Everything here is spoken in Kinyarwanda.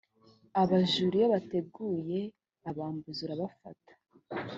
abajura iyo baguteye abambuzi urabafata